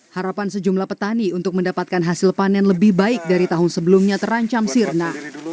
harapan sejumlah petani untuk mendapatkan hasil panen lebih baik dari tahun sebelumnya terancam sirna